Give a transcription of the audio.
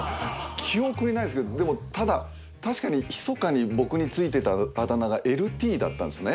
記憶にないですけどでもただ確かに密かに僕についてたあだ名がＬＴだったんですね